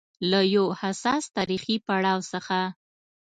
له يو حساس تاریخي پړاو څخه